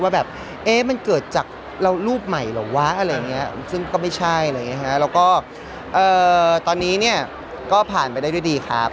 ว่าแบบมันเกิดจากรูปใหม่หรอวะซึ่งก็ไม่ใช่แล้วก็ตอนนี้ก็ผ่านไปได้ดีครับ